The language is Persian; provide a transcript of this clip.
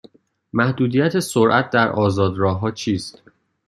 محدودیت سرعت در آزاد راه ها چیست؟